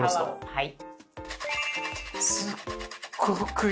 はい。